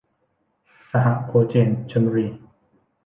สหโคเจน ชลบุรี